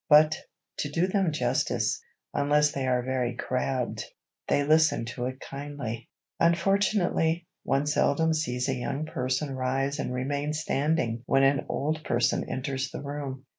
But, to do them justice, unless they are very crabbed, they listen to it kindly. Unfortunately, one seldom sees a young person rise and remain standing when an old person enters the room.